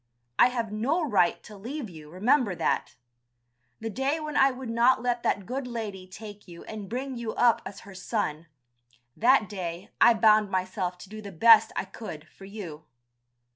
I have no right to leave you, remember that. The day when I would not let that good lady take you and bring you up as her son, that day I bound myself to do the best I could for you.